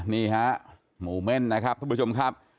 นี่ฮะหมู่เม่นนะครับทุกผู้ชมครับ